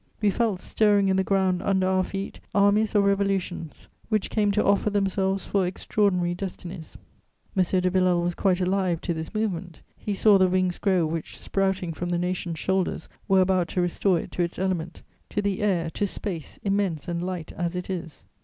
We felt stirring in the ground under our feet armies or revolutions which came to offer themselves for extraordinary destinies. M. de Villèle was quite alive to this movement; he saw the wings grow which, sprouting from the nation's shoulders, were about to restore it to its element, to the air, to space, immense and light as it is.